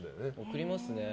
贈りますね。